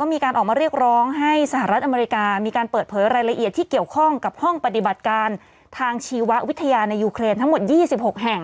ก็มีการออกมาเรียกร้องให้สหรัฐอเมริกามีการเปิดเผยรายละเอียดที่เกี่ยวข้องกับห้องปฏิบัติการทางชีววิทยาในยูเครนทั้งหมด๒๖แห่ง